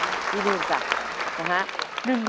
กลัวคุณครับวิดีโอจรหนึ่งค่ะ